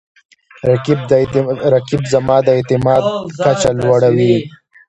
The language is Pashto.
رقیب زما د اعتماد کچه لوړوي